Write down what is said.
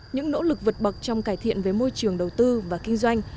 những nỗ lực vượt bậc trong cải thiện với môi trường đầu tư và kinh doanh